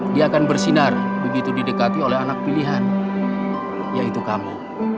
dia akan bersinar begitu didekati oleh anak pilihan yaitu kamu